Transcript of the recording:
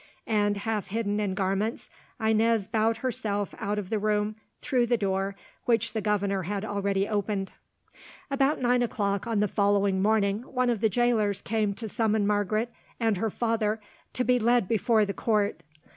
and, half hidden in garments, Inez bowed herself out of the room through the door which the governor had already opened. About nine o'clock on the following morning one of the jailers came to summon Margaret and her father to be led before the court.